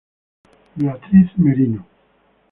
Beatriz Merino.